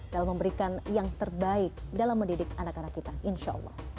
dalam memberikan yang terbaik dalam mendidik anak anak kita insya allah